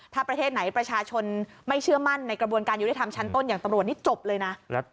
ถ้าประเทศไหนประชาชนไม่เชื่อมั่นในกระบวนการยุติธรรมชั้นต้นอย่างตำรวจนี่จบเลยนะ